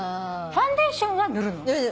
ファンデーション塗って。